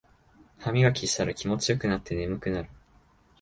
ハミガキしてたら気持ちよくなって眠くなる